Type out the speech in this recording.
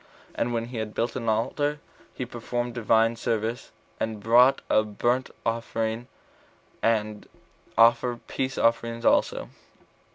And when he had built an altar, he performed Divine service, and brought a burnt offering, and offered peace offerings also.